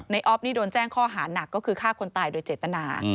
ออฟนี่โดนแจ้งข้อหานักก็คือฆ่าคนตายโดยเจตนา